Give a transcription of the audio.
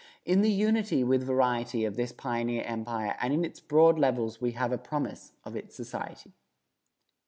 In the unity with variety of this pioneer empire and in its broad levels we have a promise of its society.